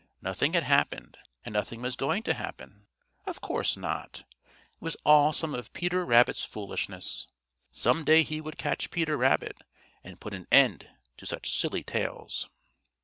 Nothing had happened, and nothing was going to happen. Of course not! It was all some of Peter Rabbit's foolishness. Some day he would catch Peter Rabbit and put an end to such silly tales.